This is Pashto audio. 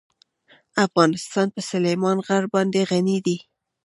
افغانستان په سلیمان غر باندې غني دی.